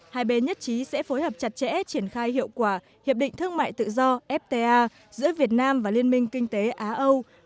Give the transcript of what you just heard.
hai bên nhất trí sẽ phối hợp chặt chẽ triển khai hiệu quả hiệp định thương mại tự do fta giữa việt nam và liên minh kinh tế á âu